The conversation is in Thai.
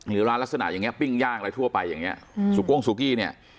หรือร้านลักษณะอย่างเงี้ปิ้งย่างอะไรทั่วไปอย่างนี้สุโก้งซูกี้เนี่ย